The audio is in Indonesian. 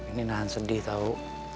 ini nahan sedih tahu